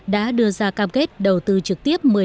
đã đưa ra cam kết đầu tư trực tiếp